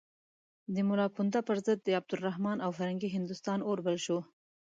د ملا پوونده پر ضد د عبدالرحمن او فرنګي هندوستان اور بل شو.